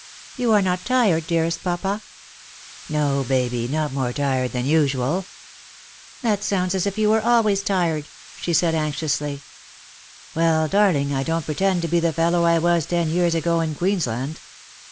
" You are not tired, dearest papa ?"" No, Baby, not more tired than usual." " That sounds as if you were always tired," she said anx iously. " Well, darling, I don't pretend to be the fellow I was ten years ago in Queensland.